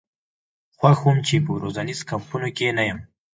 خوښ وم چې په روزنیزو کمپونو کې نه یم.